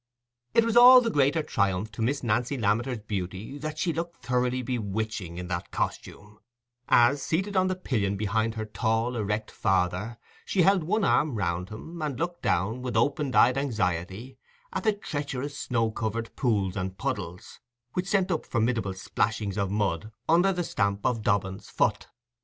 It was all the greater triumph to Miss Nancy Lammeter's beauty that she looked thoroughly bewitching in that costume, as, seated on the pillion behind her tall, erect father, she held one arm round him, and looked down, with open eyed anxiety, at the treacherous snow covered pools and puddles, which sent up formidable splashings of mud under the stamp of Dobbin's foot.